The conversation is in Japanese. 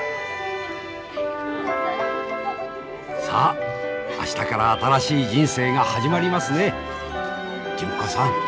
さあ明日から新しい人生が始まりますね純子さん。